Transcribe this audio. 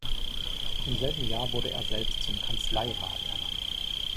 Im selben Jahr wurde er selbst zum Kanzleirat ernannt.